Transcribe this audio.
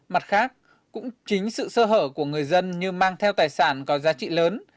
mặt khác cũng chính sự sơ hở của người dân như mang theo tài sản có giá trị lớn